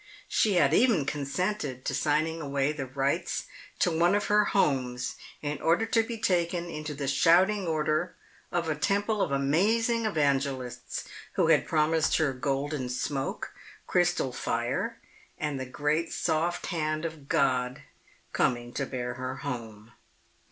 She had even consented to signing away the rights to one of her homes in order to be taken into the shouting order of a temple of amazing evangelists who had promised her golden smoke, crystal fire, and the great soft hand of God coming to bear her home.